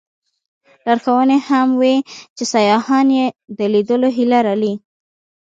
لارښوونې هم وې چې سیاحان یې د لیدلو هیله لري.